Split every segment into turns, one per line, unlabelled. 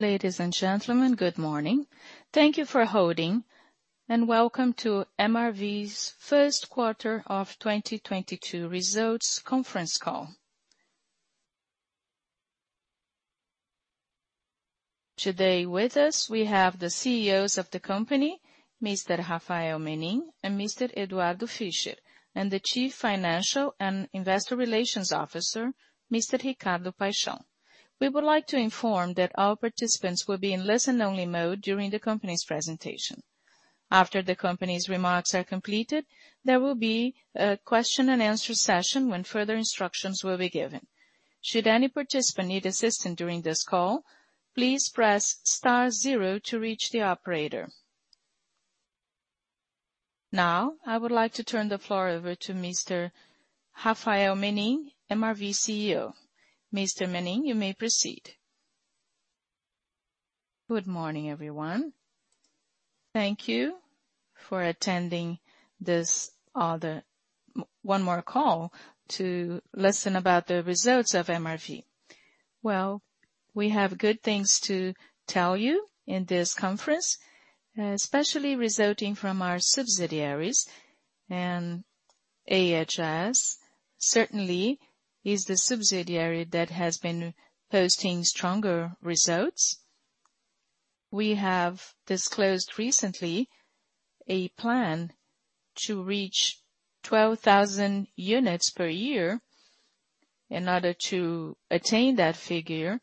Ladies and gentlemen, good morning. Thank you for holding, and welcome to MRV's First Quarter of 2022 Results Conference Call. Today with us, we have the CEOs of the company, Mr. Rafael Menin and Mr. Eduardo Fischer, and the Chief Financial and Investor Relations Officer, Mr. Ricardo Paixão. We would like to inform that all participants will be in listen-only mode during the company's presentation. After the company's remarks are completed, there will be a question-and-answer session when further instructions will be given. Should any participant need assistance during this call, please press star, zero to reach the operator. Now, I would like to turn the floor over to Mr. Rafael Menin, MRV CEO. Mr. Menin, you may proceed.
Good morning, everyone. Thank you for attending one more call to listen about the results of MRV. Well, we have good things to tell you in this conference, especially resulting from our subsidiaries. AHS certainly is the subsidiary that has been posting stronger results. We have disclosed recently, a plan to reach 12,000 units per year. In order to attain that figure,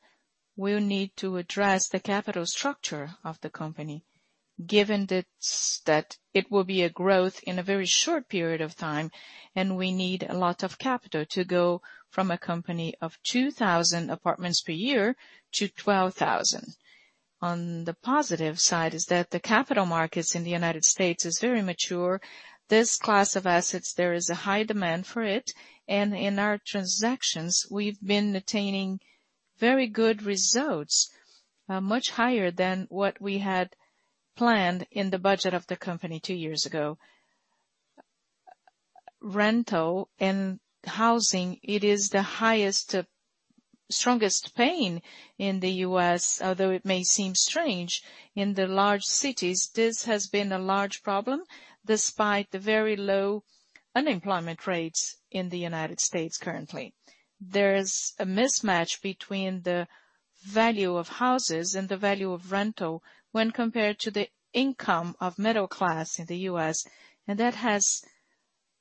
we'll need to address the capital structure of the company. Given that it will be growth in a very short period of time, and we need a lot of capital to go from a company of 2,000 apartments per year to 12,000, on the positive side is that the capital markets in the United States is very mature. This class of assets, there is a high demand for it. In our transactions, we've been attaining very good results, much higher than what we had planned in the budget of the company two years ago. Rental and housing, it is the highest, strongest pain in the U.S., although it may seem strange. In the large cities, this has been a large problem, despite the very low unemployment rates in the United States currently. There is a mismatch between the value of houses, and the value of rental when compared to the income of middle class in the U.S. That has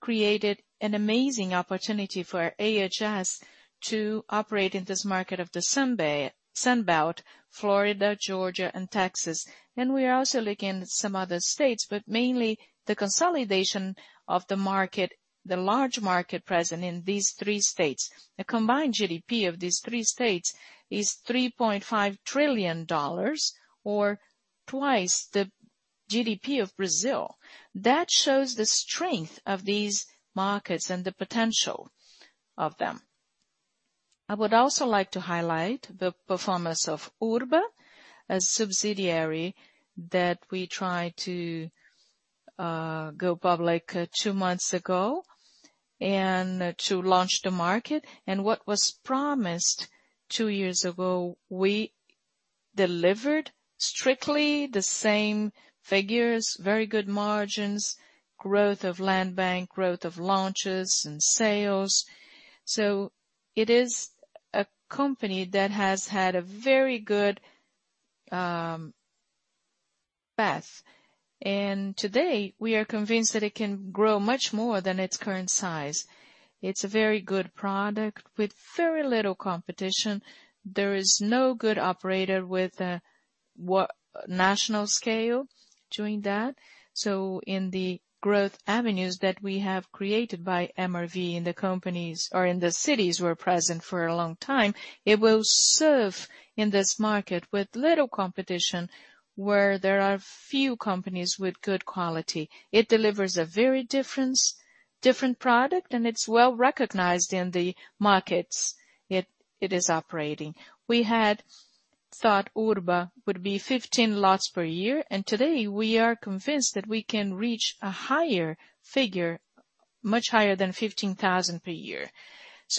created an amazing opportunity for AHS to operate in this market of the Sun Belt, Florida, Georgia, and Texas. We are also looking in some other states, but mainly the consolidation of the market, the large market present in these three states. The combined GDP of these three states is $3.5 trillion, or twice the GDP of Brazil. That shows the strength of these markets and the potential of them. I would also like to highlight the performance of Urba, a subsidiary that we tried to go public two months ago and to launch the market. What was promised two years ago, we delivered strictly the same figures, very good margins, growth of land bank, growth of launches and sales. It is a company that has had a very good path. Today, we are convinced that it can grow much more than its current size. It's a very good product with very little competition. There is no good operator with a national scale doing that. In the growth avenues that we have created by MRV in the companies or in the cities we're present for a long time, it will serve in this market with little competition where there are few companies with good quality. It delivers a very different product, and it's well-recognized in the markets it is operating. We had thought Urba would be 15 lots per year, and today we are convinced that we can reach a higher figure, much higher than 15,000 per year.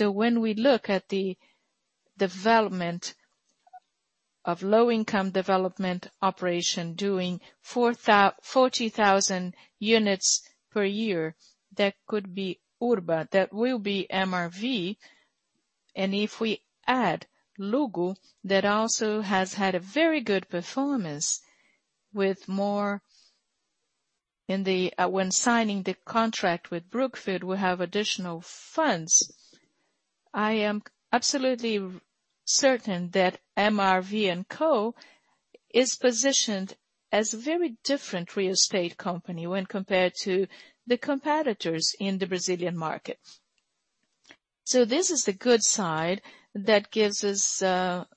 When we look at the development of low-income development operation doing 40,000 units per year, that could be Urba, that will be MRV. If we add Luggo, that also has had a very good performance with more, when signing the contract with Brookfield, we have additional funds. I am absolutely certain that MRV&Co is positioned as a very different real estate company, when compared to the competitors in the Brazilian market. This is the good side that gives us a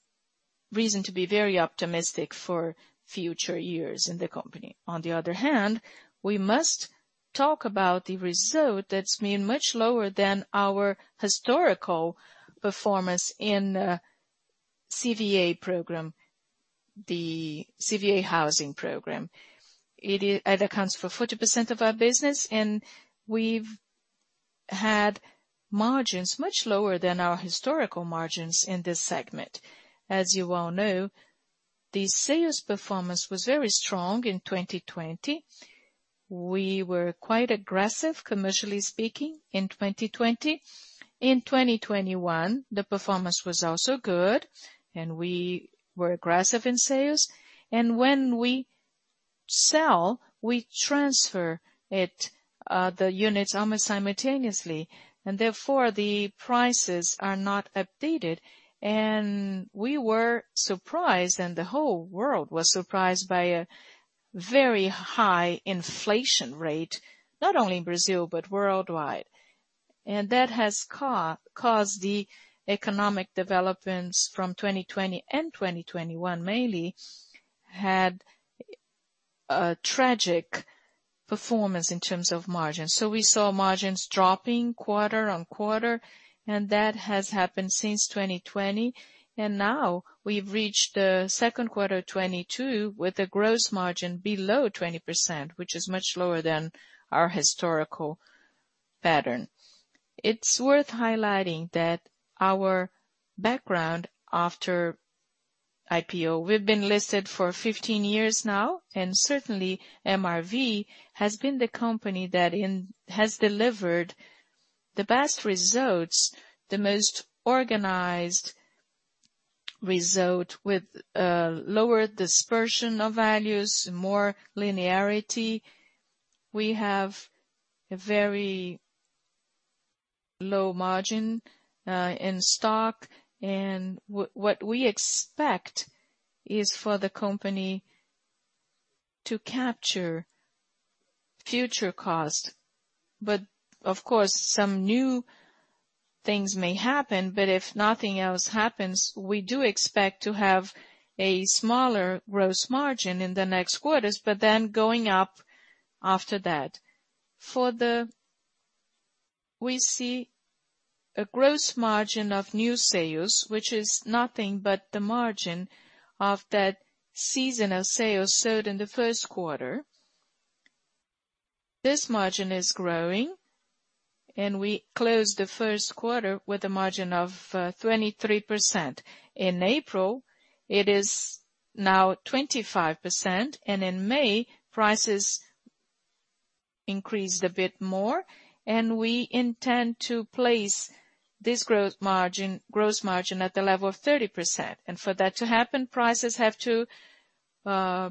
reason to be very optimistic for future years in the company. On the other hand, we must talk about the result that's been much lower than our historical performance in CVA program, the CVA housing program. It accounts for 40% of our business, and we've had margins much lower than our historical margins in this segment. As you well know, the sales performance was very strong in 2020. We were quite aggressive, commercially speaking in 2020. In 2021, the performance was also good, and we were aggressive in sales. When we sell, we transfer the units almost simultaneously, and therefore the prices are not updated. We were surprised, and the whole world was surprised by a very high inflation rate, not only in Brazil, but worldwide. That has caused the economic developments from 2020, and 2021 mainly had a tragic performance in terms of margins. We saw margins dropping quarter-over-quarter, and that has happened since 2020. Now we've reached the second quarter of 2022 with a gross margin below 20%, which is much lower than our historical pattern. It's worth highlighting that our backlog after IPO, we've been listed for 15 years now and certainly MRV has been the company that has delivered the best results, the most organized result with lower dispersion of values, more linearity. We have a very low margin in stock. What we expect is for the company to capture future cost. Of course, some new things may happen, but if nothing else happens, we do expect to have a smaller gross margin in the next quarters, but then going up after that. We see a gross margin of new sales, which is nothing but the margin of that seasonal sales sold in the first quarter. This margin is growing, and we closed the first quarter with a margin of 23%. In April, it is now 25%, and in May, prices increased a bit more and we intend to place this gross margin at the level of 30%. For that to happen, prices have to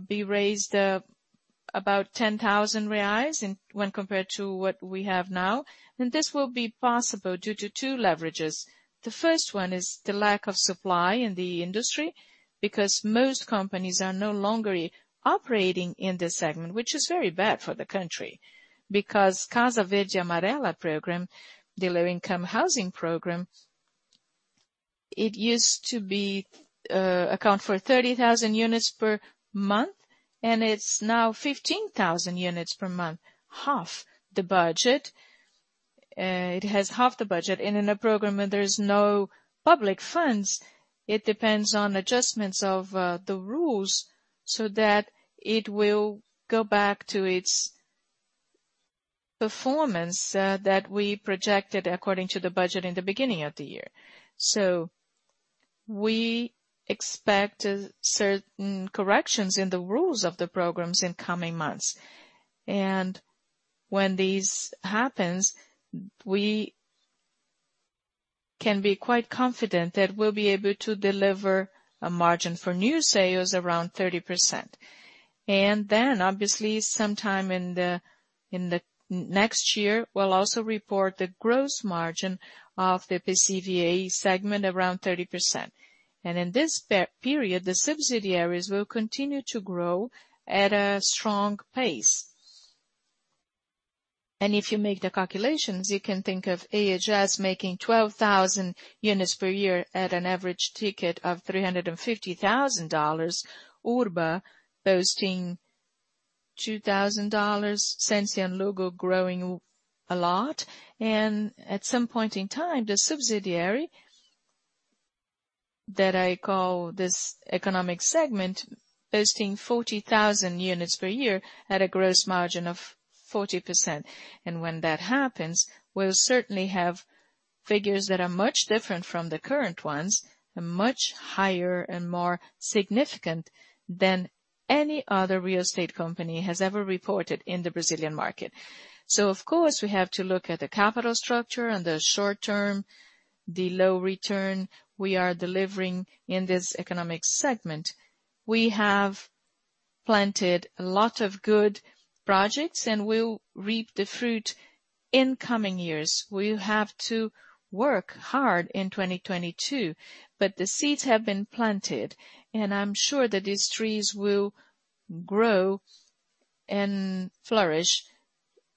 be raised about 10,000 reais when compared to what we have now. This will be possible due to two leverages. The first one is the lack of supply in the industry, because most companies are no longer operating in this segment, which is very bad for the country, because Casa Verde e Amarela program, the low-income housing program, it used to account for 30,000 units per month, and it's now 15,000 units per month, half the budget. It has half the budget. In a program where there is no public funds, it depends on adjustments of the rules, so that it will go back to its performance that we projected according to the budget in the beginning of the year. We expect certain corrections in the rules of the programs in coming months. When this happens, we can be quite confident that we'll be able to deliver a margin for new sales around 30%. Then obviously, sometime in the next year, we'll also report the gross margin of the PCVA segment around 30%. In this period, the subsidiaries will continue to grow at a strong pace. If you make the calculations, you can think of AHS making 12,000 units per year at an average ticket of $350,000, Urba boasting 2,000 units, Sensia and Luggo growing a lot. At some point in time, the subsidiary that I call this economic segment, boasting 40,000 units per year at a gross margin of 40%. When that happens, we'll certainly have figures that are much different from the current ones, much higher and more significant than any other real estate company has ever reported in the Brazilian market. Of course, we have to look at the capital structure and the short term, the low return we are delivering in this economic segment. We have planted a lot of good projects, and we'll reap the fruit in coming years. We have to work hard in 2022, but the seeds have been planted and I'm sure that these trees will grow and flourish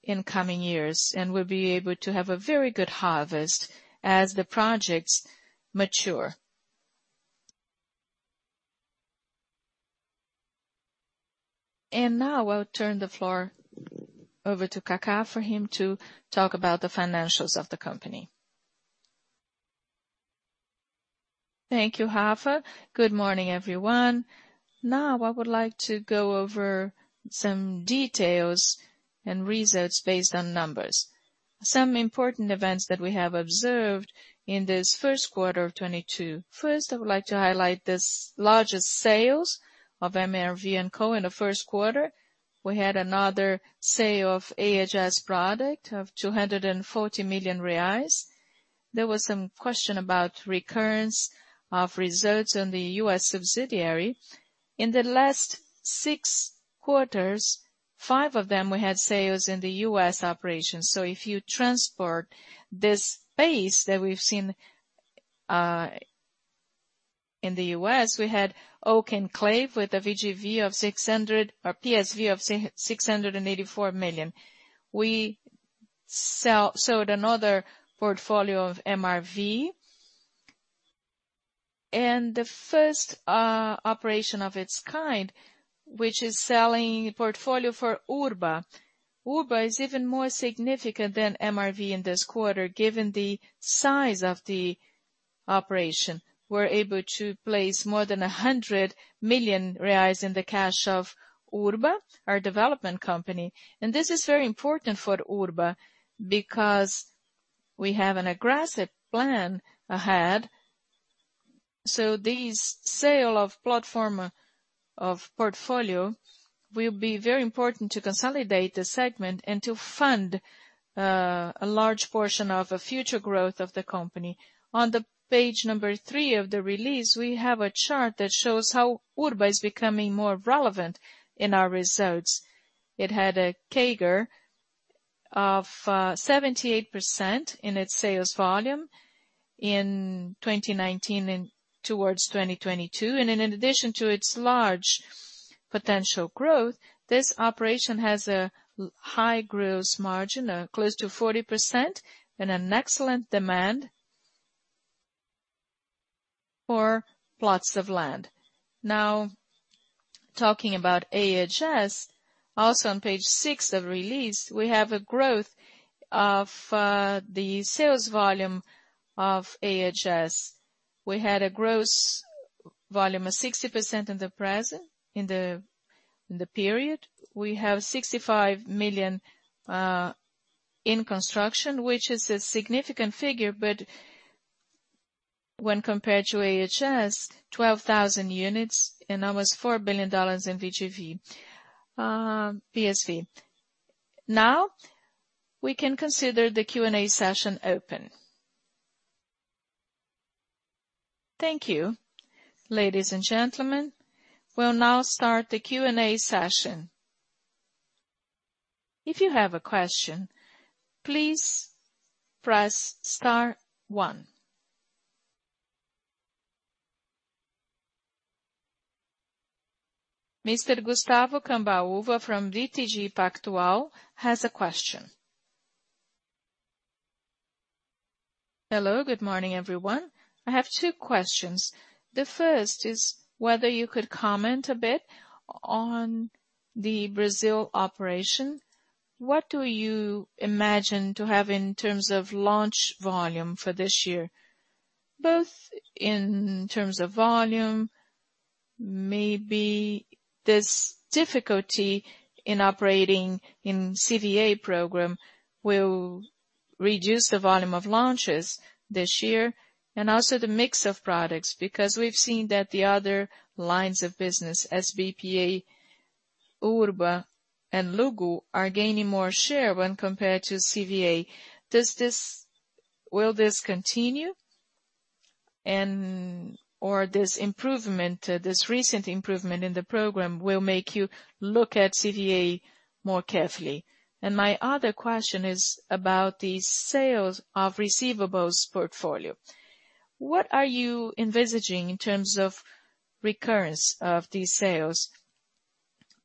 in coming years, and we'll be able to have a very good harvest as the projects mature. Now I'll turn the floor over to Kaka for him to talk about the financials of the company.
Thank you, Rafa. Good morning, everyone. Now, I would like to go over some details and results based on numbers. Some important events that we have observed in this first quarter of 2022. First, I would like to highlight the largest sales of MRV&Co in the first quarter. We had another sale of AHS product of 240 million reais. There was some question about recurrence of results in the U.S. subsidiary. In the last six quarters, five of them, we had sales in the U.S. operations. If you transport this pace that we've seen in the U.S., we had Oak Enclave with a VGV of 600 million or PSV of 684 million. We sold another portfolio of MRV. The first operation of its kind, which is selling portfolio for Urba, Urba is even more significant than MRV in this quarter, given the size of the operation. We're able to place more than 100 million reais in the cash of Urba, our development company. This is very important for Urba because we have an aggressive plan ahead. These sale of platform of portfolio will be very important to consolidate the segment, and to fund a large portion of a future growth of the company.
On page three of the release, we have a chart that shows how Urba is becoming more relevant in our results. It had a CAGR of 78% in its sales volume in 2019 and toward, 2022. In addition to its large potential growth, this operation has a high gross margin, close to 40% and an excellent demand for plots of land. Now, talking about AHS, also on page six of the release, we have a growth of the sales volume of AHS. We had a growth of 60% in the period. We have $65 million in construction, which is a significant figure, but when compared to AHS, 12,000 units and almost $4 billion in PSV. Now, we can consider the Q&A session open.
Thank you. Ladies and gentlemen, we'll now start the Q&A session. If you have a question, please press star one. Mr. Gustavo Cambauva from BTG Pactual has a question.
Hello. Good morning, everyone. I have two questions. The first is whether you could comment a bit on the Brazil operation. What do you imagine to have in terms of launch volume for this year, both in terms of volume? Maybe this difficulty in operating in CVA program will reduce the volume of launches this year, and also the mix of products, because we've seen that the other lines of business, SBPE, Urba, and Luggo are gaining more share when compared to CVA. Will this continue and/or this recent improvement in the program will make you look at CVA more carefully? My other question is about the sales of receivables portfolio. What are you envisaging in terms of recurrence of these sales?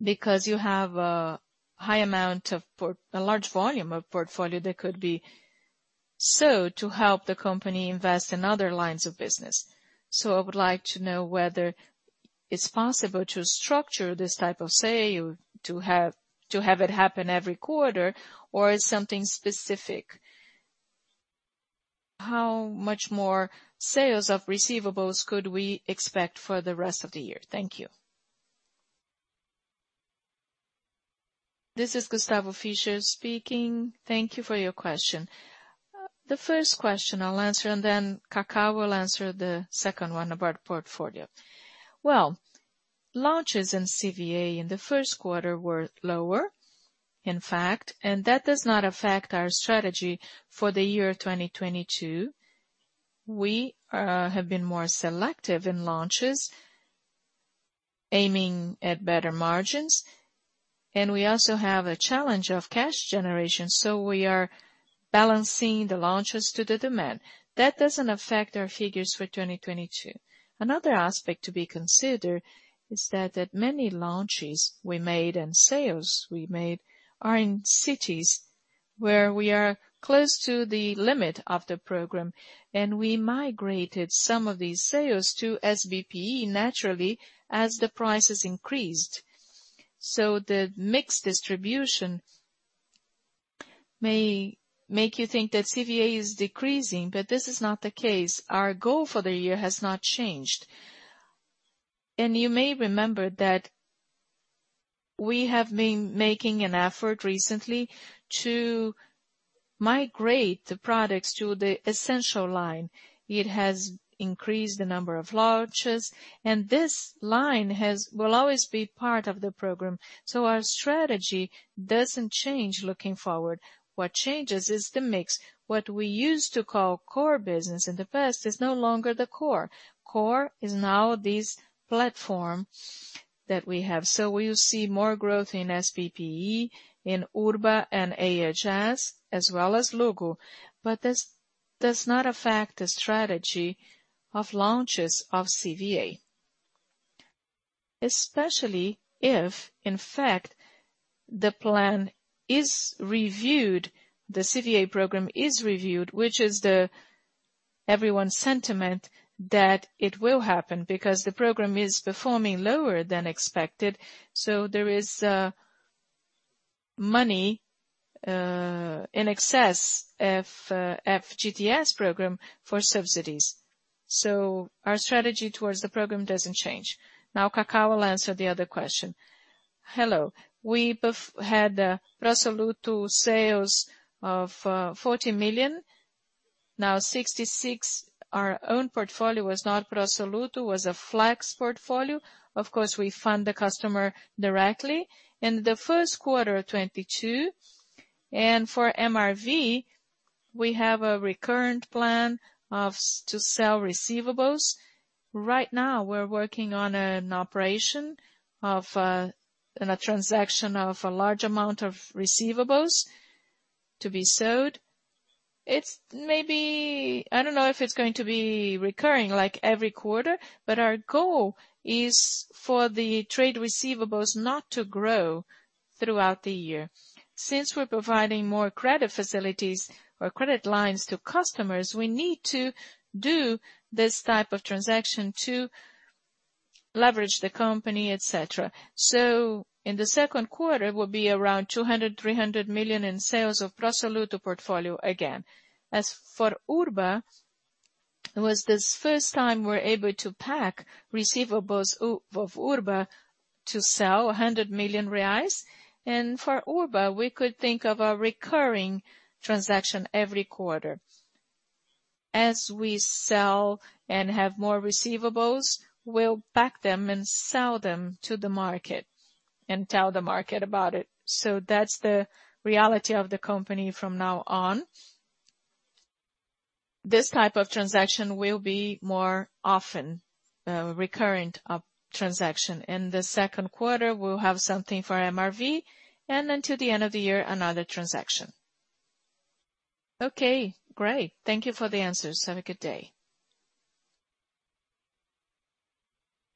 Because you have a high amount of a large volume of portfolio, that could be sold to help the company invest in other lines of business. I would like to know whether it's possible to structure this type of sale to have it happen every quarter, or it's something specific. How much more sales of receivables could we expect for the rest of the year? Thank you.
This is Gustavo, Fischer speaking. Thank you for your question. The first question I'll answer, and then Kaka will answer the second one about portfolio. Well, launches in CVA in the first quarter were lower in fact, and that does not affect our strategy for the year 2022. We have been more selective in launches, aiming at better margins. We also have a challenge of cash generation. We are balancing the launches to the demand. That doesn't affect our figures for 2022. Another aspect to be considered is that many launches we made and sales we made are in cities where we are close to the limit of the program, and we migrated some of these sales to SBPE naturally as the prices increased. The mix distribution may make you think that CVA is decreasing, but this is not the case. Our goal for the year has not changed. You may remember that we have been making an effort recently, to migrate the products to the essential line. It has increased the number of launches, and this line will always be part of the program. Our strategy doesn't change looking forward. What changes is the mix. What we used to call core business in the past is no longer the core. Core is now this platform that we have. Will you see more growth in SBPE, in Urba and AHS as well as Luggo? This does not affect the strategy of launches of CVA. Especially if in fact the plan is reviewed, the CVA program is reviewed, which is everyone's sentiment that it will happen because the program is performing lower than expected. There is money in excess of FGTS program for subsidies. Our strategy towards the program doesn't change. Now, Kaka will answer the other question. Hello. We both had Pro Soluto sales of 40 million. Now 66 million, our own portfolio was not Pro Soluto, was a flex portfolio. Of course, we fund the customer directly. In the first quarter of 2022, for MRV, we have a recurring plan to sell receivables. Right now, we're working on a transaction of a large amount of receivables to be sold. Maybe I don't know if it's going to be recurring like every quarter, but our goal is for the trade receivables not to grow throughout the year. Since we're providing more credit facilities or credit lines to customers, we need to do this type of transaction to leverage the company, etc. In the second quarter, it will be around 200 million-300 million in sales of Pro Soluto portfolio again. As for Urba, it was the first time we're able to pack receivables of Urba to sell 100 million reais. For Urba, we could think of a recurring transaction every quarter. As we sell and have more receivables, we'll pack them and sell them to the market and tell the market about it. That's the reality of the company from now on. This type of transaction will be more often, recurrent of transaction. In the second quarter, we'll have something for MRV, and then to the end of the year, another transaction.
Okay, great. Thank you for the answers. Have a good day.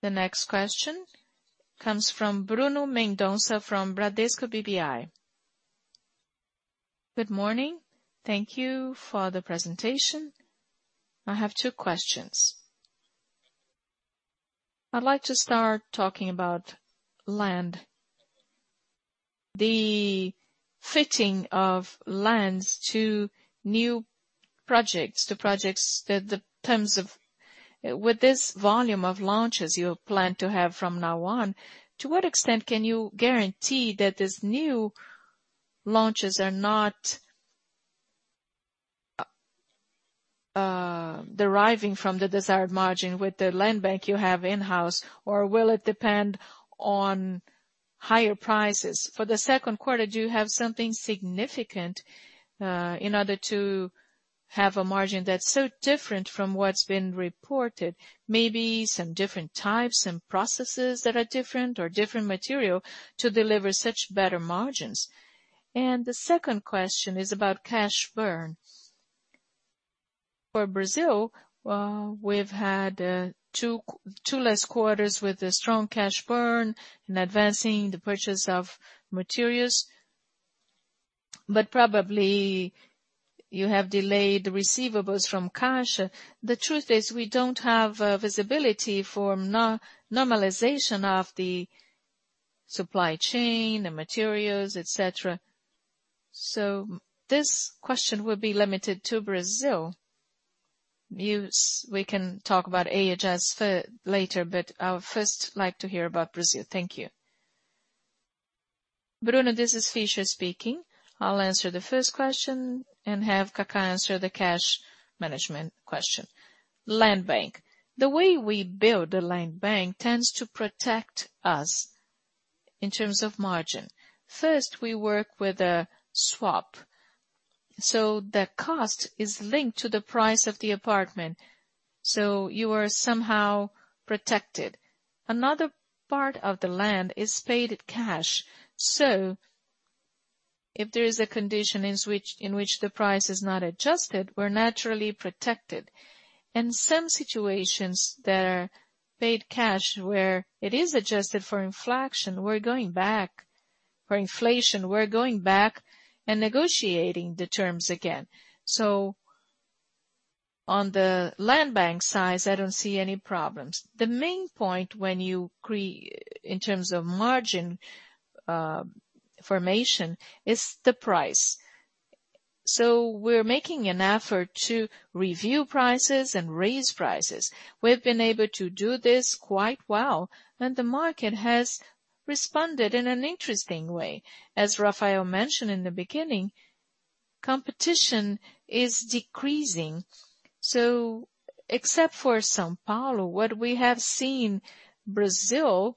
The next question comes from Bruno Mendonça from Bradesco BBI.
Good morning. Thank you for the presentation. I have two questions. I'd like to start talking about land. With this volume of launches you plan to have from now on, to what extent can you guarantee that these new launches are not deriving from the desired margin with the land bank you have in-house, or will it depend on higher prices? For the second quarter, do you have something significant in order to have a margin that's so different from what's been reported, maybe some different types, some processes that are different or different material to deliver such better margins? The second question is about cash burn. For Brazil, we've had two less quarters with a strong cash burn in advancing the purchase of materials. Probably you have delayed the receivables from cash. The truth is, we don't have visibility for normalization of the supply chain, the materials, etc. This question will be limited to Brazil. We can talk about AHS later, but I would first like to hear about Brazil. Thank you.
Bruno, this is Fischer speaking. I'll answer the first question, and have Kaka answer the cash management question, land bank. The way we build the land bank tends to protect us in terms of margin. First, we work with a swap, so the cost is linked to the price of the apartment, so you are somehow protected. Another part of the land is paid cash. If there is a condition in which the price is not adjusted, we're naturally protected. In some situations that are paid cash, where it is adjusted for inflation, we're going back and negotiating the terms again. On the land bank size, I don't see any problems. The main point in terms of margin formation is the price. We're making an effort to review prices and raise prices. We've been able to do this quite well, and the market has responded in an interesting way. As Rafael mentioned in the beginning, competition is decreasing. Except for São Paulo, what we have seen in Brazil and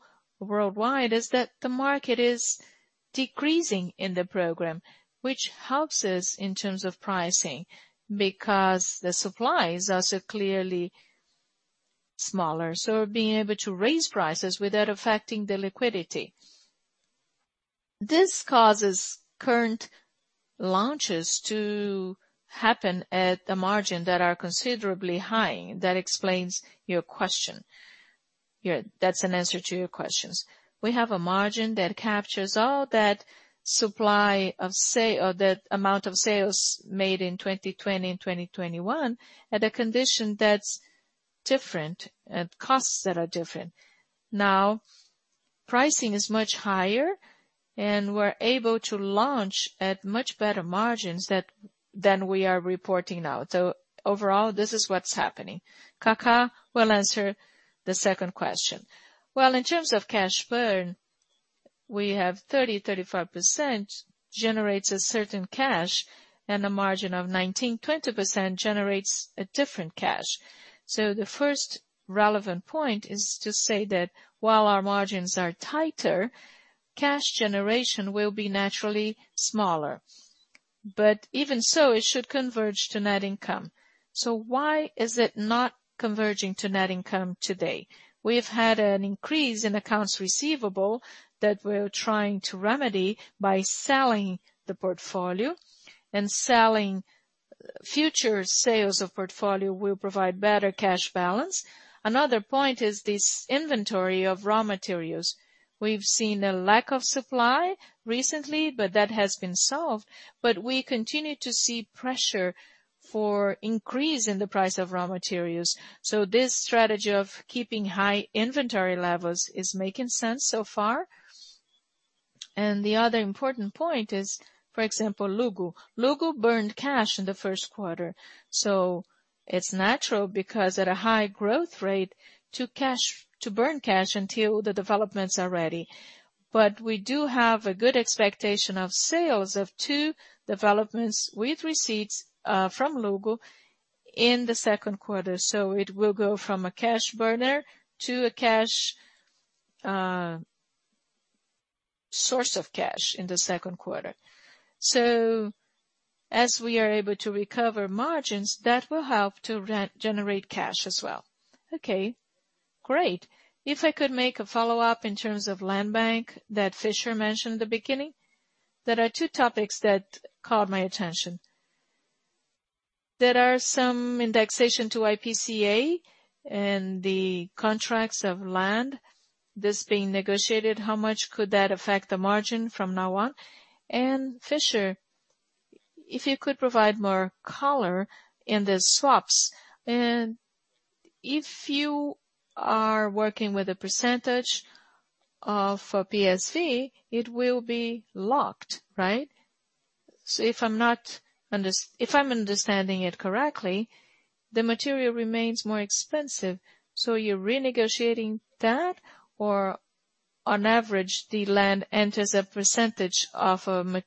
worldwide is that the market is decreasing in the program, which helps us in terms of pricing because the supplies are so clearly smaller, so we're being able to raise prices without affecting the liquidity. This causes current launches to happen at the margin that are considerably high. That explains your question. Yeah, that's an answer to your questions. We have a margin that captures all that supply, or that amount of sales made in 2020 and 2021 at a condition that's different and costs that are different. Now, pricing is much higher, and we're able to launch at much better margins than we are reporting now. Overall, this is what's happening. Kaka will answer the second question.
Well, in terms of cash burn, we have 30%-35% generates a certain cash and a margin of 19%-20% generates a different cash. The first relevant point is to say that while our margins are tighter, cash generation will be naturally smaller. Even so, it should converge to net income. Why is it not converging to net income today? We've had an increase in accounts receivable that we're trying to remedy by selling the portfolio, and future sales of portfolio will provide better cash balance. Another point is this inventory of raw materials. We've seen a lack of supply recently, but that has been solved. We continue to see pressure for increase in the price of raw materials. This strategy of keeping high inventory levels is making sense so far. The other important point is, for example, Luggo. Luggo burned cash in the first quarter. It's natural because at a high growth rate to burn cash until the developments are ready. We do have a good expectation of sales of two developments with receipts from Luggo in the second quarter. It will go from a cash burner to a source of cash in the second quarter. As we are able to recover margins, that will help to regenerate cash as well.
Okay, great. If I could make a follow-up in terms of land bank that Fischer mentioned at the beginning. There are two topics that caught my attention. There are some indexation to IPCA and the contracts of land, this being negotiated. How much could that affect the margin from now on? Fischer, if you could provide more color in the swaps. If you are working with a percentage of PSV, it will be locked, right? If I'm understanding it correctly, the material remains more expensive. You're renegotiating that, or on average, the land enters a percentage of a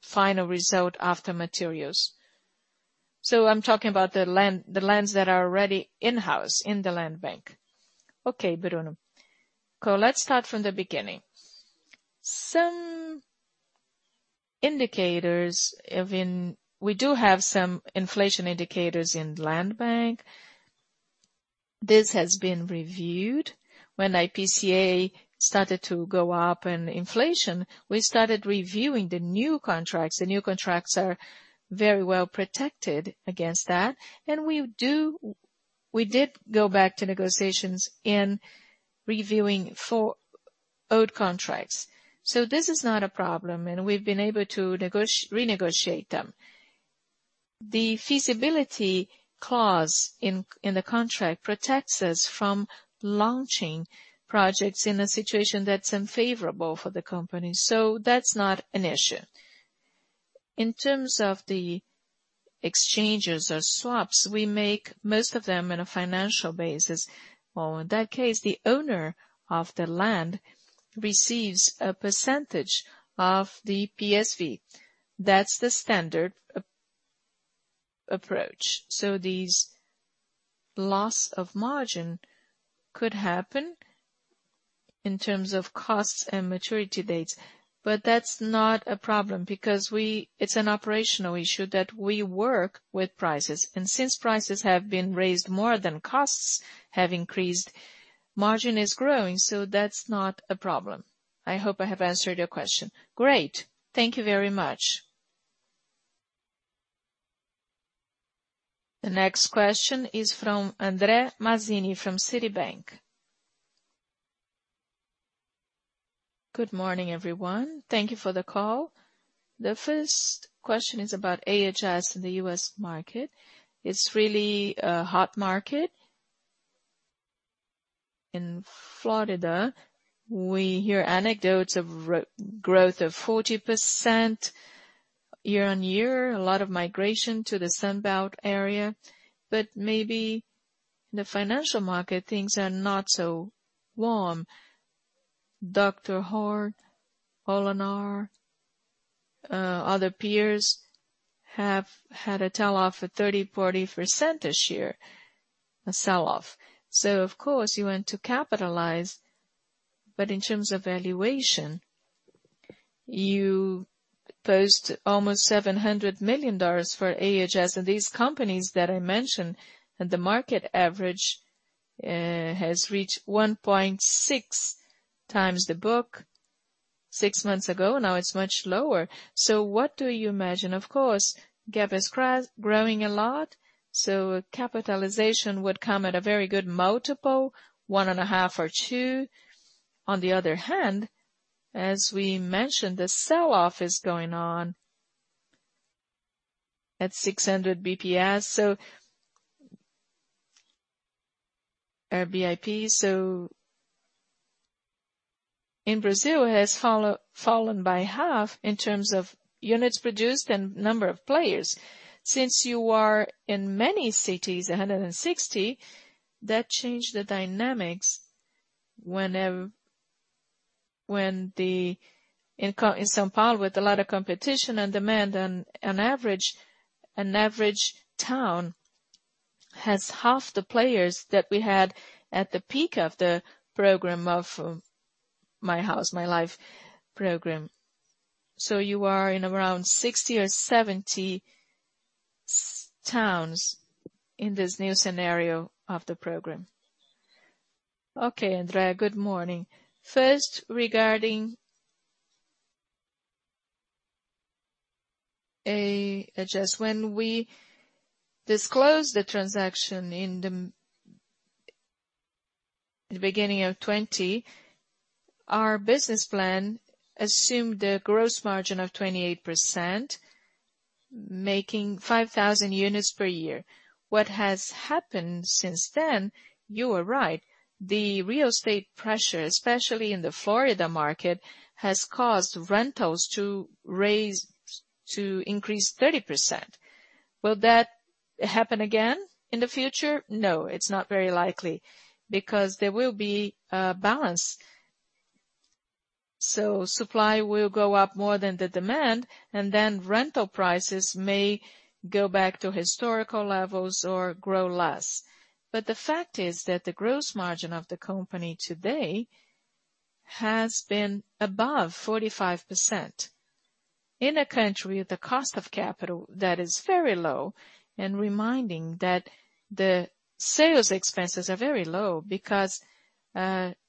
final result after materials. I'm talking about the lands that are already in-house in the land bank.
Okay, Bruno. Let's start from the beginning. Some indicators, I mean, we do have some inflation indicators in land bank. This has been reviewed. When IPCA started to go up and inflation, we started reviewing the new contracts. The new contracts are very well protected against that. We did go back to negotiations in reviewing for old contracts. This is not a problem, and we've been able to renegotiate them. The feasibility clause in the contract protects us from launching projects in a situation that's unfavorable for the company, so that's not an issue. In terms of the exchanges or swaps, we make most of them in a financial basis.
Well, in that case, the owner of the land receives a percentage of the PSV. That's the standard approach. These loss of margin could happen in terms of costs and maturity dates. That's not a problem because it's an operational issue that we work with prices. Since prices have been raised more than costs have increased, margin is growing, so that's not a problem. I hope I have answered your question.
Great. Thank you very much. The next question is from André Mazini from Citibank.
Good morning, everyone. Thank you for the call. The first question is about AHS in the U.S. market. It's really a hot market. In Florida, we hear anecdotes of growth of 40% year-on-year, a lot of migration to the Sun Belt area, but maybe in the financial market, things are not so warm. D.R. Horton, Lennar, other peers have had a sell-off of 30%-40% this year, a sell-off. Of course, you want to capitalize. In terms of valuation, you post almost $700 million for AHS. These companies that I mentioned, the market average has reached 1.6x the book six months ago, now it's much lower. What do you imagine? Of course, gap is growing a lot, so capitalization would come at a very good multiple, 1.5 or two. On the other hand, as we mentioned, the sell-off is going on at 600 bps or BRL. In Brazil, it has fallen by half in terms of units produced and number of players. Since you are in many cities, 160, that changed the dynamics when in São Paulo, with a lot of competition and demand, an average town has half the players that we had at the peak of the program of My House, My Life program. You are in around 60 or 70 towns in this new scenario of the program.
Okay. André, good morning. First, regarding AHS, when we disclosed the transaction in the beginning of 2020, our business plan assumed a gross margin of 28%, making 5,000 units per year. What has happened since then, you are right, the real estate pressure, especially in the Florida market, has caused rentals to increase 30%. Will that happen again in the future? No, it's not very likely, because there will be balance. Supply will go up more than the demand, and then rental prices may go back to historical levels or grow less. The fact is that the gross margin of the company today has been above 45%. In a country with the cost of capital that is very low, and reminding that the sales expenses are very low because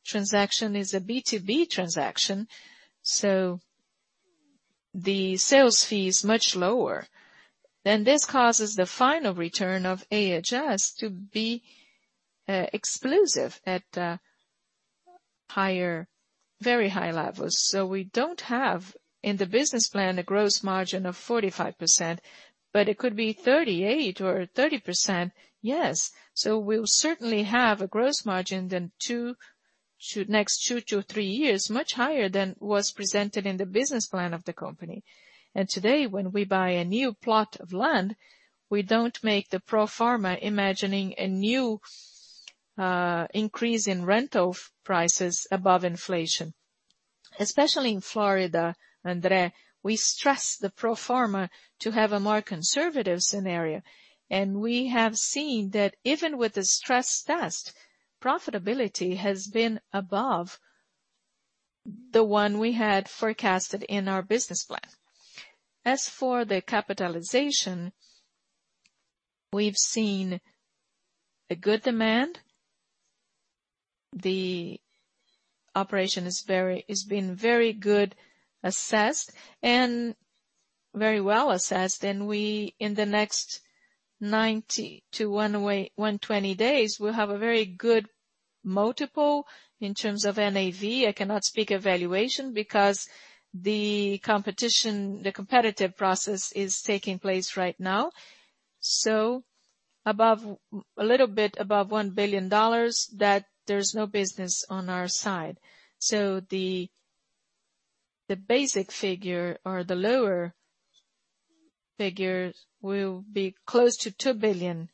transaction is a B2B transaction, so the sales fee is much lower, then this causes the final return of AHS to be exclusive at very high levels. We don't have, in the business plan, a gross margin of 45%, but it could be 38% or 30%. Yes, we'll certainly have a gross margin than next two to three years, much higher than was presented in the business plan of the company. Today, when we buy a new plot of land, we don't make the pro forma imagining a new increase in rental prices above inflation. Especially in Florida, Andrea, we stress the pro forma to have a more conservative scenario. We have seen that even with the stress test, profitability has been above the one we had forecasted in our business plan. As for the capitalization, we've seen a good demand. The operation is being very good assessed and very well assessed. We, in the next 90-120 days, will have a very good multiple in terms of NAV. I cannot speak evaluation because the competitive process is taking place right now. A little bit above $1 billion, there's no business on our side. The basic figure or the lower figure will be close to $2 billion.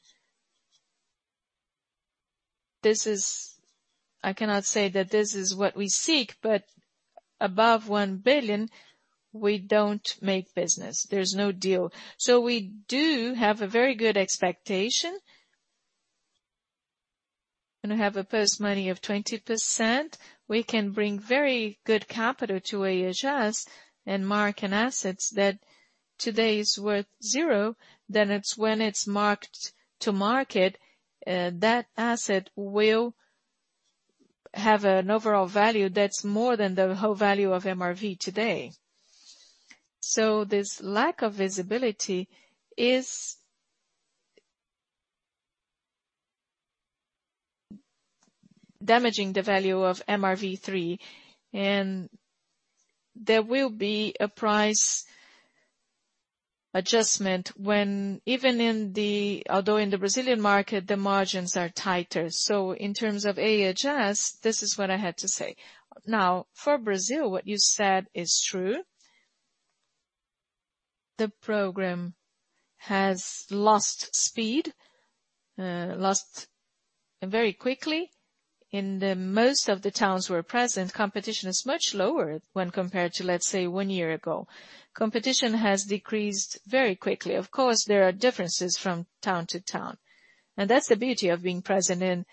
I cannot say that this is what we seek, but above $1 billion, we don't make business. There's no deal. We do have a very good expectation, going to have a post-money of 20%. We can bring very good capital to AHS and mark to market assets that today is worth zero, then it's when it's marked to market, that asset will have an overall value that's more than the whole value of MRV today. This lack of visibility is damaging the value of MRVE3. There will be a price adjustment when, even in the Brazilian market, although the margins are tighter. In terms of AHS, this is what I had to say. Now, for Brazil, what you said is true. The program has lost speed very quickly. In most of the towns we're present, competition is much lower when compared to, let's say, one year ago. Competition has decreased very quickly. Of course, there are differences from town to town, and that's the beauty of being present in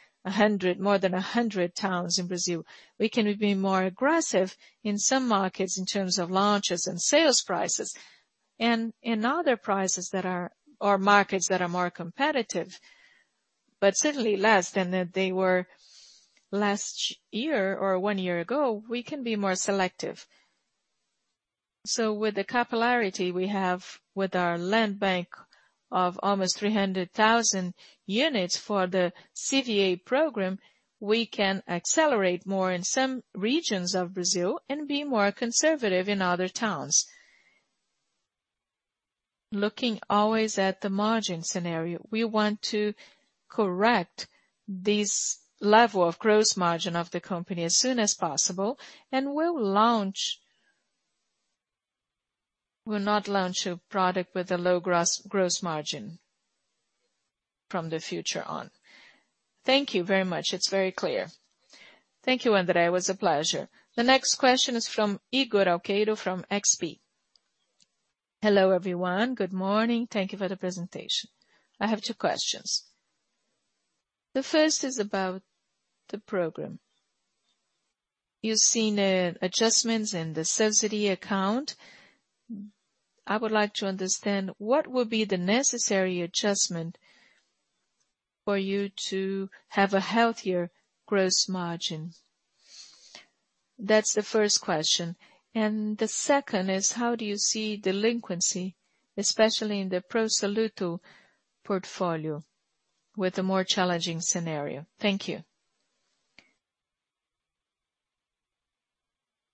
more than 100 towns in Brazil. We can be more aggressive in some markets in terms of launches and sales prices. In other markets that are more competitive, but certainly less than they were last year or one year ago, we can be more selective. With the capillarity we have with our land bank of almost 300,000 units for the CVA program, we can accelerate more in some regions of Brazil and be more conservative in other towns. Looking always at the margin scenario, we want to correct this level of gross margin of the company as soon as possible, and we'll not launch a product with a low gross margin from the future on.
Thank you very much. It's very clear.
Thank you, André. It was a pleasure.
The next question is from Ygor Altero from XP.
Hello, everyone. Good morning. Thank you for the presentation. I have two questions. The first is about the program. You've seen adjustments in the subsidy account. I would like to understand, what would be the necessary adjustment for you to have a healthier gross margin? That's the first question. The second is, how do you see delinquency, especially in the Pro Soluto portfolio, with a more challenging scenario? Thank you.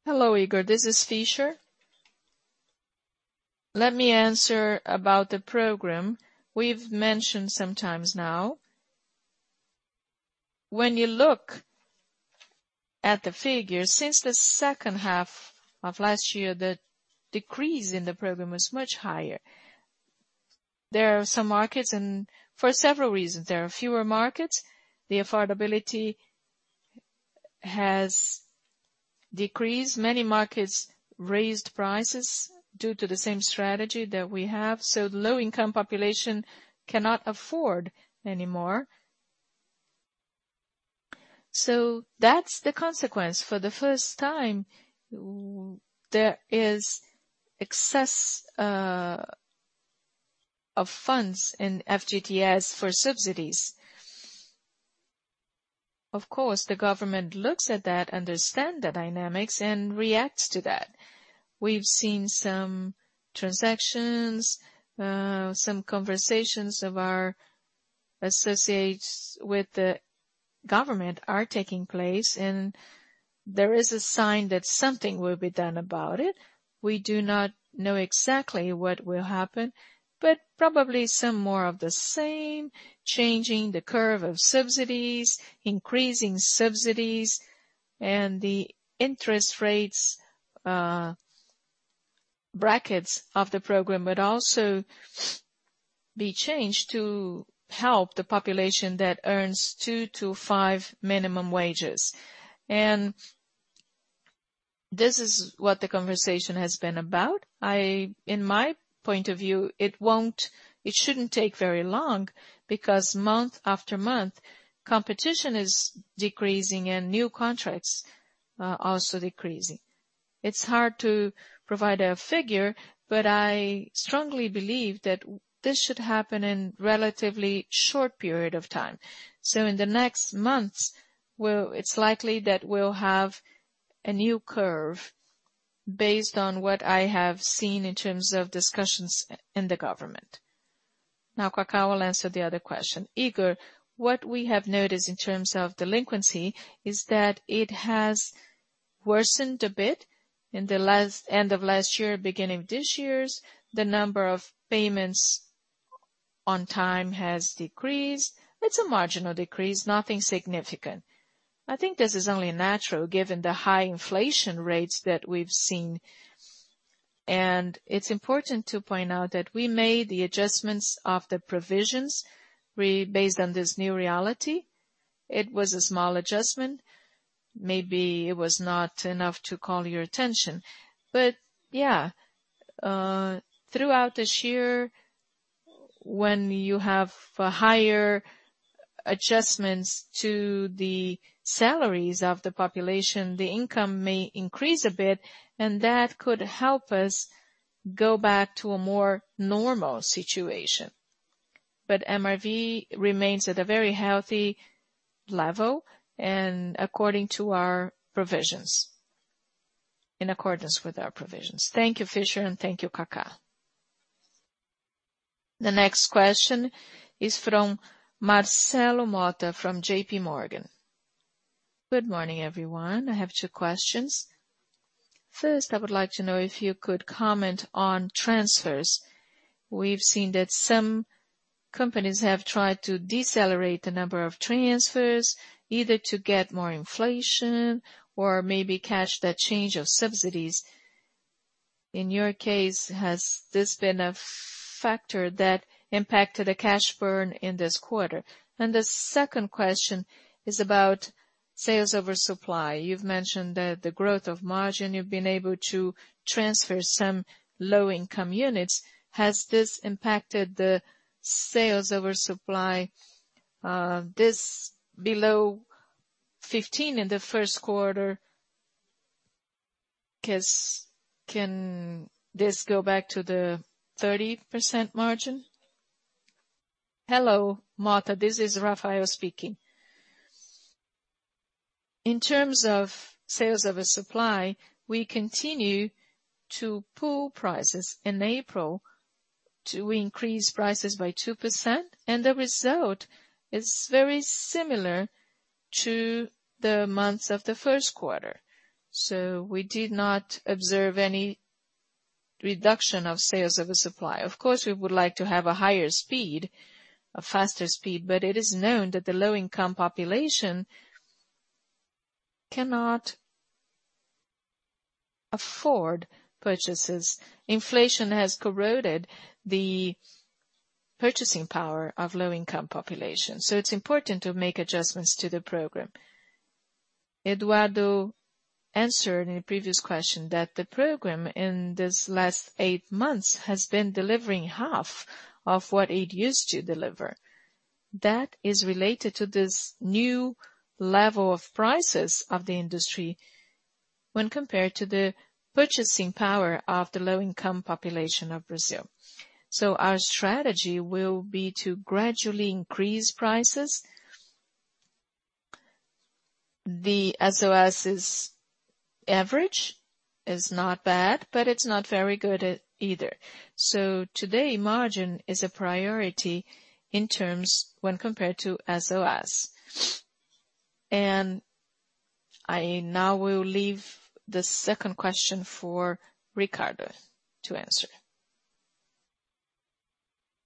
Hello, Ygor. This is Fischer. Let me answer about the program. We've mentioned sometimes now, when you look at the figures, since the second half of last year, the decrease in the program was much higher. There are some markets, and for several reasons, there are fewer markets. The affordability has decreased. Many markets raised prices due to the same strategy that we have, so the low income population cannot afford anymore. That's the consequence. For the first time, there is excess of funds in FGTS for subsidies. Of course, the government looks at that, understand the dynamics, and reacts to that. We've seen some transactions, some conversations of our associates with the government are taking place, and there is a sign that something will be done about it. We do not know exactly what will happen, but probably some more of the same, changing the curve of subsidies, increasing subsidies, and the interest rates, brackets of the program would also be changed to help the population that earns two to five minimum wages. This is what the conversation has been about. In my point of view, it shouldn't take very long because month after month, competition is decreasing and new contracts are also decreasing. It's hard to provide a figure, but I strongly believe that this should happen in a relatively short period of time. In the next months, it's likely that we'll have a new curve based on what I have seen in terms of discussions in the government. Now, Kaka will answer the other question.
Ygor, what we have noticed in terms of delinquency is that it has worsened a bit in end of last year, beginning of this year. The number of payments on time has decreased. It's a marginal decrease, nothing significant. I think this is only natural, given the high inflation rates that we've seen. It's important to point out that we made the adjustments of the provisions based on this new reality. It was a small adjustment. Maybe it was not enough to call your attention. Yeah, throughout this year, when you have higher adjustments to the salaries of the population, the income may increase a bit, and that could help us go back to a more normal situation. MRV remains at a very healthy level and in accordance with our provisions.
Thank you, Fischer, and thank you, Kaka. The next question is from Marcelo Motta from JPMorgan.
Good morning, everyone. I have two questions. First, I would like to know if you could comment on transfers. We've seen that some companies have tried to decelerate the number of transfers, either to get more inflation or maybe capture that change of subsidies. In your case, has this been a factor that impacted the cash burn in this quarter? The second question is about sales of supply. You've mentioned that the growth of margin, you've been able to transfer some low-income units. Has this impacted the sales of supply? This is below 15% in the first quarter? Can this go back to the 30% margin?
Hello, Motta, this is Rafael speaking. In terms of sales of the supply, we continue to pull prices in April to increase prices by 2%, and the result is very similar to the months of the first quarter. We did not observe any reduction of sales of the supply. Of course, we would like to have a higher speed, a faster speed. It is known that the low-income population cannot afford purchases. Inflation has corroded the purchasing power of low-income population, so it's important to make adjustments to the program. Eduardo answered in a previous question, that the program in this last eight months has been delivering half of what it used to deliver. That is related to this new level of prices of the industry, when compared to the purchasing power of the low-income population of Brazil. Our strategy will be to gradually increase prices. The SoS's average is not bad, but it's not very good either. Today, margin is a priority when compared to SoS. I now will leave the second question for Ricardo to answer.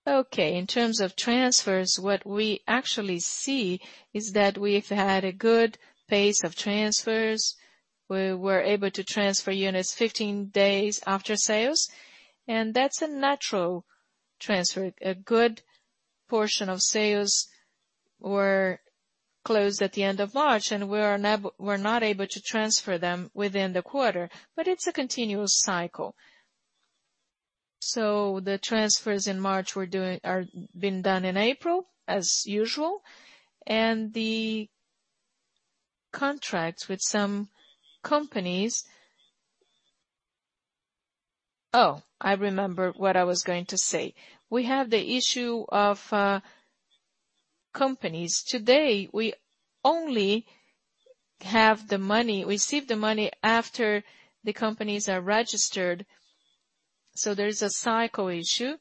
Okay, in terms of transfers, what we actually see is that we've had a good pace of transfers. We were able to transfer units 15 days after sales, and that's a natural transfer. A good portion of sales were closed at the end of March and we're not able to transfer them within the quarter, but it's a continuous cycle. The transfers in March are being done in April as usual. Oh, I remember what I was going to say. We have the issue of companies. Today, we only receive the money after the companies are registered, so there is a cycle issue.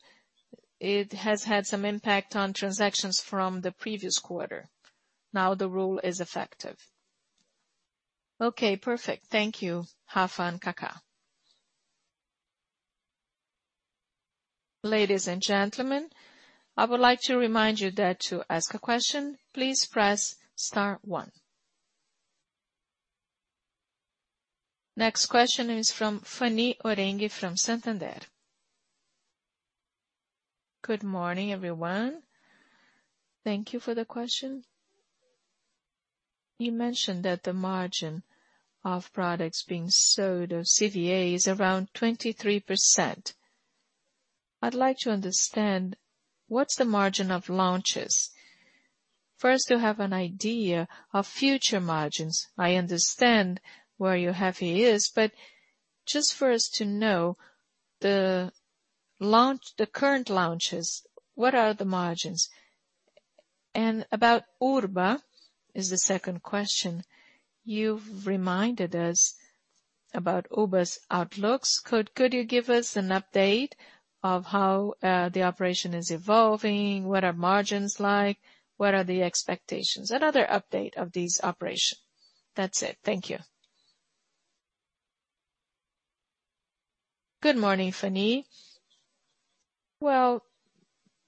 It has had some impact on transactions from the previous quarter. Now the rule is effective.
Okay, perfect. Thank you. Have fun, Kaka.
Ladies and gentlemen, I would like to remind you that to ask a question, please press star, one. Next question is from Fanny Oreng from Santander.
Good morning, everyone. Thank you for the question. You mentioned that the margin of products being sold of CVA is around 23%. I'd like to understand, what's the margin of launches? First, to have an idea of future margins. I understand where you have it, but just for us to know the current launches, what are the margins? About Urba, is the second question. You've reminded us about Urba's outlooks. Could you give us an update of how the operation is evolving? What are margins like? What are the expectations? Another update of this operation. That's it. Thank you.
Good morning, Fanny. Well,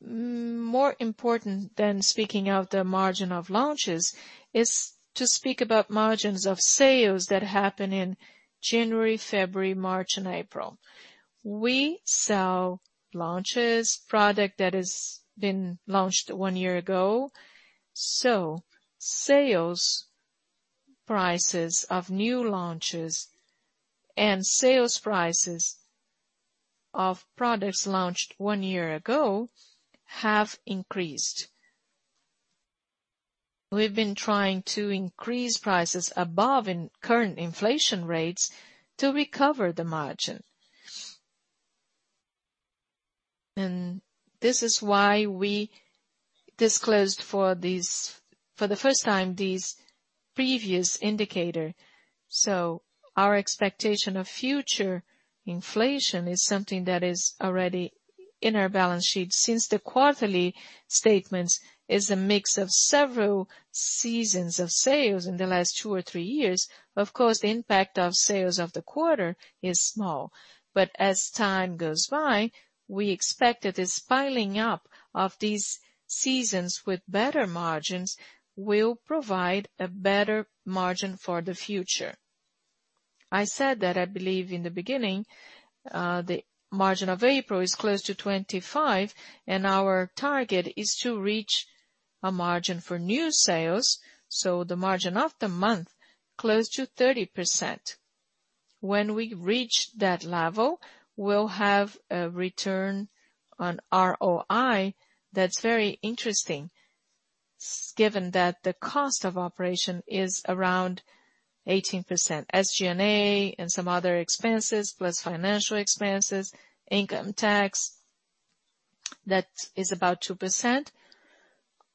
more important than speaking of the margin of launches is to speak about margins of sales that happen in January, February, March, and April. We sell launches, product that has been launched one year ago. Sale prices of new launches and sale prices of products launched one year ago have increased. We've been trying to increase prices above in current inflation rates to recover the margin. This is why we disclosed for the first time, these previous indicator. Our expectation of future inflation is something that is already in our balance sheet. Since the quarterly statements is a mix of several seasons of sales in the last two or three years, of course the impact of sales of the quarter is small. As time goes by, we expect that this piling up of these seasons with better margins will provide a better margin for the future. I said that I believe in the beginning, the margin of April is close to 25, and our target is to reach a margin for new sales, so the margin of the month close to 30%. When we reach that level, we'll have a return on ROI that's very interesting, given that the cost of operation is around 18%. SG&A and some other expenses, plus financial expenses, income tax, that is about 2%.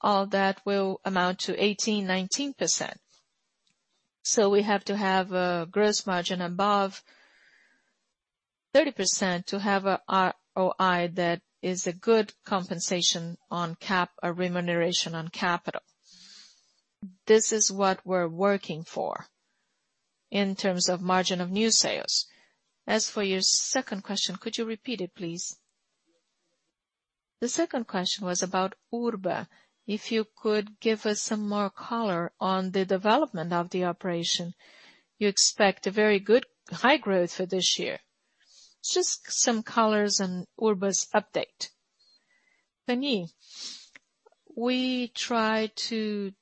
All that will amount to 18%, 19%. We have to have a gross margin above 30%, to have a ROI that is a good compensation on cap or remuneration on capital. This is what we're working for in terms of margin of new sales. As for your second question, could you repeat it, please? The second question was about Urba.
If you could give us some more color on the development of the operation. You expect a very good high growth for this year. Just some colors on Urba's update.
Fanny, we try to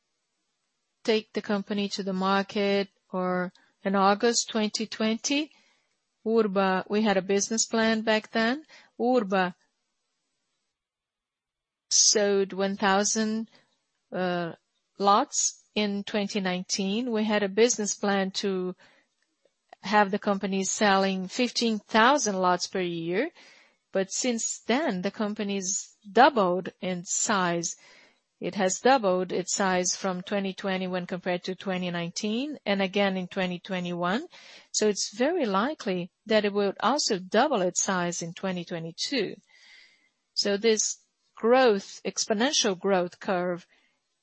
take the company to the market or in August 2020, Urba, we had a business plan back then. Urba sold 1,000 lots in 2019. We had a business plan to have the company selling 15,000 lots per year. Since then, the company's doubled in size. It has doubled its size from 2020, when compared to 2019 and again in 2021. It's very likely that it will also double its size in 2022. This exponential growth curve,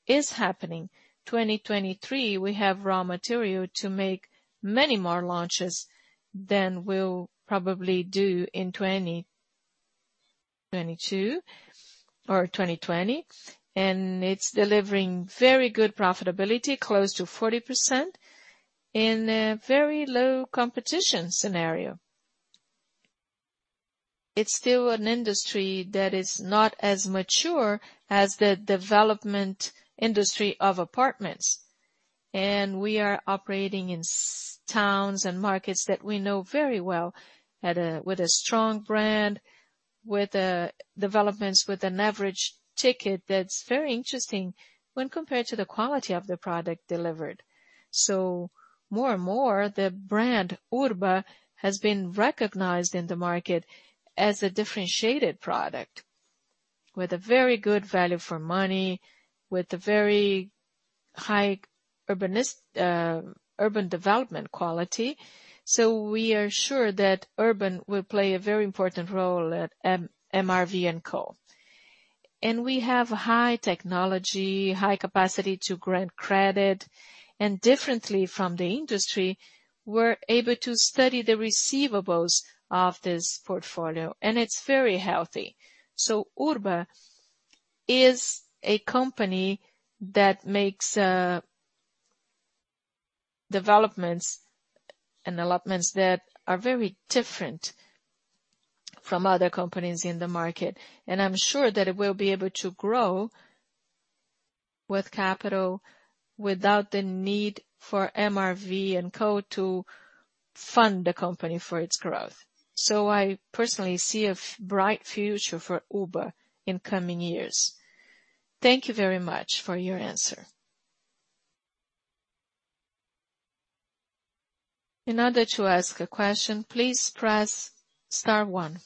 is happening. 2023, we have raw material to make many more launches than we'll probably do in 2022 or 2020. It's delivering very good profitability, close to 40%, in a very low competition scenario. It's still an industry that is not as mature as the development industry of apartments. We are operating in small towns and markets that we know very well, with a strong brand, with developments with an average ticket that's very interesting when compared to the quality of the product delivered. More and more, the brand Urba has been recognized in the market as a differentiated product with a very good value for money, with a very high urban development quality. We are sure that Urba will play a very important role at MRV&Co. We have high technology, high capacity to grant credit. Differently from the industry, we're able to study the receivables of this portfolio and it's very healthy. Urba is a company that makes developments, and allotments that are very different from other companies in the market. I'm sure that it will be able to grow with capital, without the need for MRV&Co to fund the company for its growth. I personally see a bright future for Urba in coming years.
Thank you very much for your answer. In order to ask a question, please press star, one.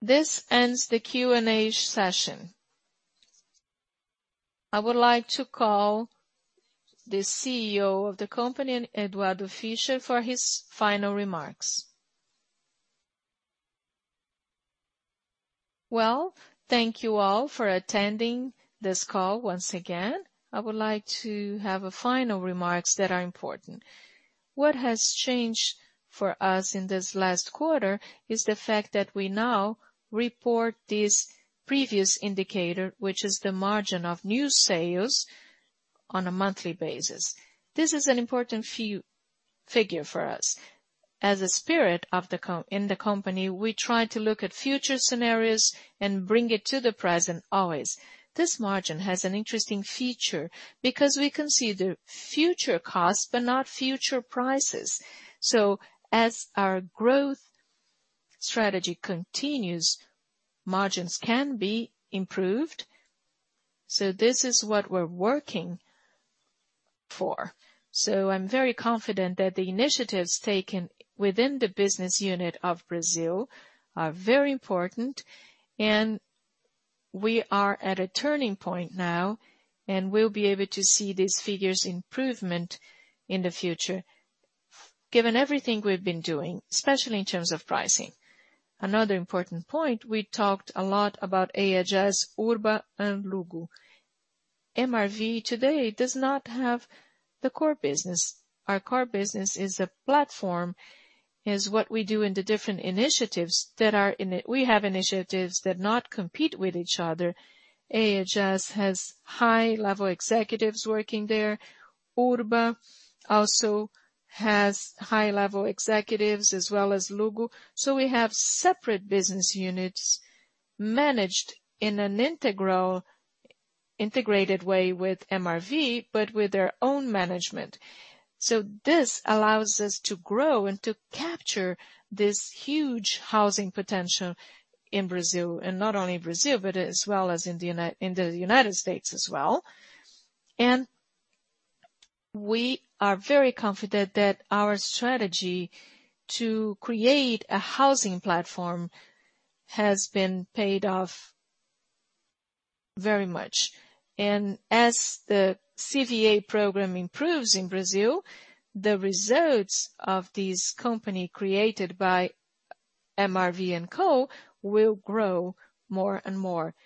This ends the Q&A session. I would like to call the CEO of the company, Eduardo Fischer for his final remarks.
Well, thank you all for attending this call once again. I would like to have final remarks that are important. What has changed for us in this last quarter is the fact that we now report this previous indicator, which is the margin of new sales on a monthly basis. This is an important figure for us. As a spirit of the company, we try to look at future scenarios and bring it to the present always. This margin has an interesting feature because we can see the future costs, but not future prices. As our growth strategy continues, margins can be improved. This is what we're working for. I'm very confident that the initiatives taken within the business unit of Brazil are very important, and we are at a turning point now, and we'll be able to see these figures' improvement in the future, given everything we've been doing, especially in terms of pricing. Another important point, we talked a lot about AHS, Urba, and Luggo. MRV today does not have the core business. Our core business is a platform, is what we do in the different initiatives that are in it. We have initiatives that do not compete with each other. AHS has high-level executives working there. Urba also has high-level executives, as well as Luggo. We have separate business units managed in an integrated way with MRV, but with their own management. This allows us to grow and to capture this huge housing potential in Brazil, and not only Brazil, but as well as in the United States as well. We are very confident that our strategy to create a housing platform has paid off very much. As the CVA program improves in Brazil, the results of these companies created by MRV&Co will grow more and more.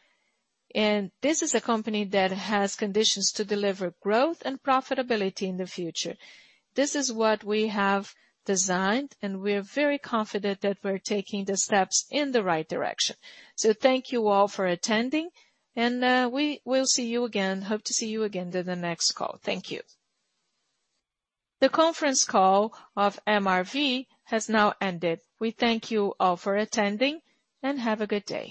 This is a company that has conditions to deliver growth, and profitability in the future. This is what we have designed, and we're very confident that we're taking the steps in the right direction. Thank you all for attending, and we will see you again. Hope to see you again in the next call. Thank you.
The conference call of MRV has now ended. We thank you all for attending, and have a good day.